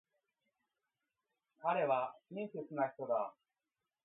彼は親切な人だ。